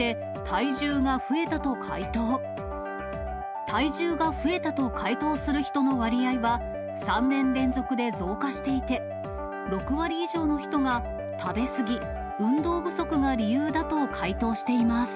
体重が増えたと回答する人の割合は、３年連続で増加していて、６割以上の人が食べ過ぎ、運動不足が理由だと回答しています。